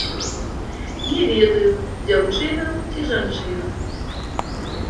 Не ведаю, дзяўчына ці жанчына.